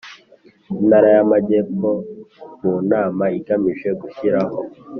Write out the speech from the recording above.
Intara y Amajyepfo mu nama igamije gushyiraho